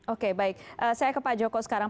oke baik saya ke pak joko sekarang